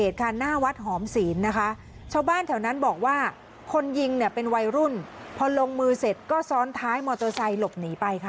ตรงมือเสร็จก็ซ้อนท้ายมอเตอร์ไซค์หลบหนีไปค่ะ